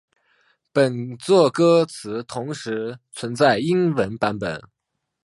本作歌词同时存在英文版本。